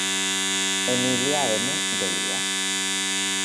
Emilia M. de Elías.